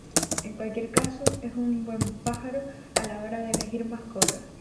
En cualquier caso, es un buen pájaro a la hora de elegir mascota.